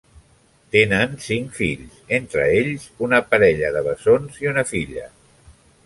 Tenen cinc fills; entre ells, una parella de bessons i una filla.